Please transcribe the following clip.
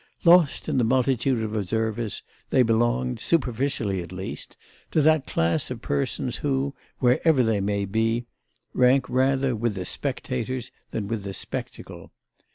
Lost in the multitude of observers they belonged, superficially at least, to that class of persons who, wherever they may be, rank rather with the spectators than with the spectacle.